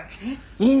院長